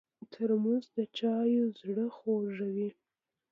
ترموز د چایو زړه خوږوي.